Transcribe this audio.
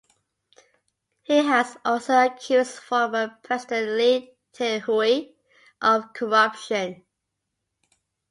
He has also accused former President Lee Teng-hui of corruption.